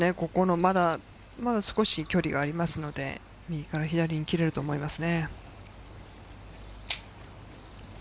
まだ少し距離がありますので右から左に切れると思います。